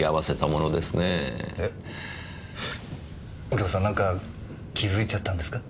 右京さんなんか気づいちゃったんですか？